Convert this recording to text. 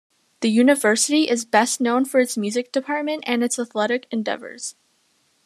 The University is best known for its music department and its athletic endeavors.